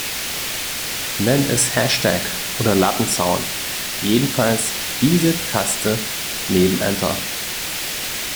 Nenn es Hashtag oder Lattenzaun, jedenfalls diese Taste neben Enter.